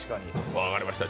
分かりました。